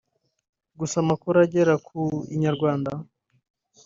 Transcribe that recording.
gusa amakuru agera ku Inyarwanda